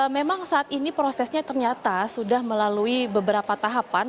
memang saat ini prosesnya ternyata sudah melalui beberapa tahapan